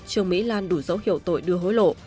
trương mỹ lan đủ dấu hiệu tội đưa hối lộ